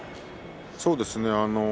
そうですね